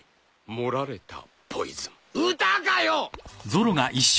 『盛られたポイズン』歌かよ！？